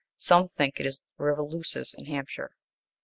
Some think it is the river Lusas, in Hampshire.